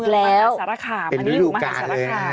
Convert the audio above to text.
เป็นด้วยโดยโดยการเลยนะครับ